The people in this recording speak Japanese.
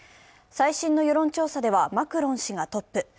最新の世論調査では、マクロン氏がトップ。